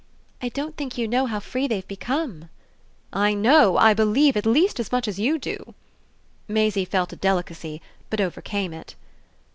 "I don't think you know how free they've become." "I know, I believe, at least as much as you do!" Maisie felt a delicacy but overcame it.